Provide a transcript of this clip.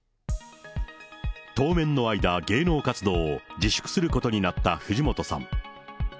当面の間、芸能活動を自粛することになった藤本さん。